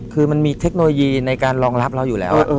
คือมันมีเทคโนโลยีในการรองรับเราอยู่แล้ว